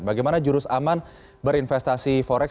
bagaimana jurus aman berinvestasi forex